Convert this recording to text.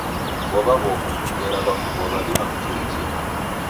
W'ow'a ghoko ngera w'afungwa w'adima kuchurikia.